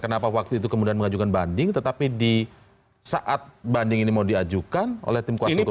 kenapa waktu itu kemudian mengajukan banding tetapi di saat banding ini mau diajukan oleh tim kuasa hukum